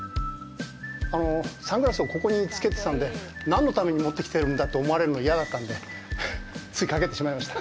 サングラスをここにつけてたんで何のために持ってきてるんだって思われるの嫌だったんでつい、かけてしまいました。